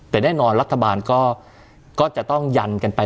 แต่แน่นอนรัฐบาลก็จะต้องยันกันไป